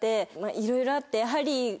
いろいろあってハリー。